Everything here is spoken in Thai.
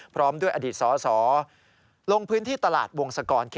พร้อมด้วยอดีตสสลงพื้นที่ตลาดวงศกร